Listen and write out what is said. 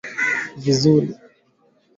mboga ya matembele ya viazi lishe